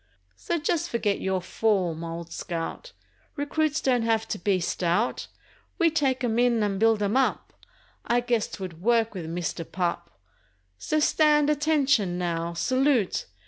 So just forget your form, old scout; Recruits don't have to be stout; We take 'em in and build 'em up— I guess 'twould work with Mister Pup— So stand ATTENTION, now—Salute!